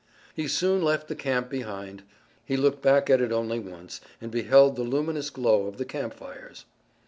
He soon left the camp behind. He looked back at it only once, and beheld the luminous glow of the campfires.